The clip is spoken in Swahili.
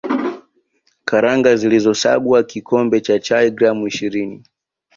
Karanga zilizosagwa kikombe cha chai gram ishirini